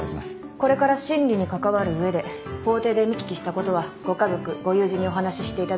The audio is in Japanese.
これから審理に関わる上で法廷で見聞きしたことはご家族ご友人にお話ししていただいて構いません。